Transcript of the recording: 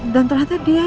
dan ternyata dia yang